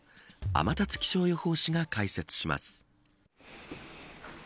天達気象予報士が解説します。